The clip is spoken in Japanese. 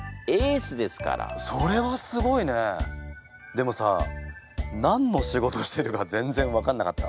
でもさ何の仕事してるか全然分かんなかった。